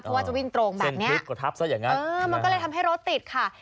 เพราะว่าจะวิ่งตรงแบบนี้มันก็เลยทำให้รถติดค่ะ